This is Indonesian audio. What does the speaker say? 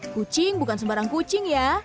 kucing bukan sembarang kucing ya